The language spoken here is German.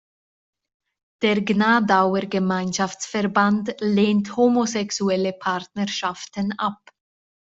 Der Gnadauer Gemeinschaftsverband lehnt homosexuelle Partnerschaften ab.